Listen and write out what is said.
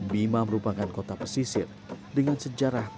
bima merupakan kota pesisir dengan sejarah